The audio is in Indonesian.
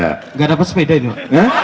enggak ada apa apa sepeda ini pak